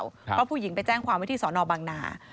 เพราะผู้หญิงไปแจ้งความไว้ที่สอนอบังนา